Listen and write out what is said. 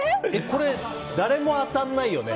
これ、誰も当たらないよね。